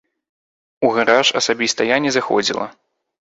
У гараж асабіста я не заходзіла.